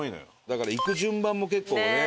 だから行く順番も結構ね。